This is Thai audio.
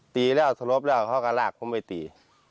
ตีแล้วสลบแล้วเขาก็ลากผมไปตี